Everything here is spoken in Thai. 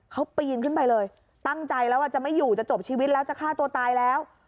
เขาปีนขึ้นไปเลยตั้งใจแล้วจะไม่อยู่จะจบชีวิตแล้วจะฆ่าตัวตายแล้ว